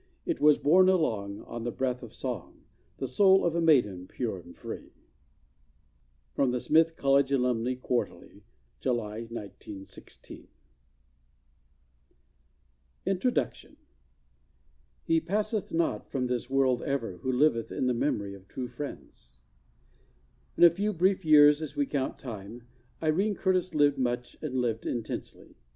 It was borne along On the breath of song — The soul of a maiden, pure and free. Louisa Spear Wilson, Class of 1912. From The Smith College Alumnae Quarterly, July, 1916. INTRODUCTION "He passeth not from this world, ever, Who liveth in the memory of true friends" I N a few brief years as we count time Irene Curtis lived much and lived intensely.